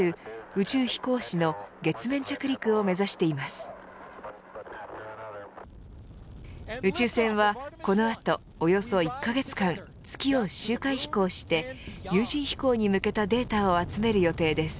宇宙船はこの後、およそ１カ月間月を周回飛行して有人飛行に向けたデータを集める予定です。